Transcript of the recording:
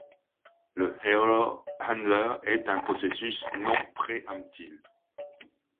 Le Error Handler est un processus non préemptible.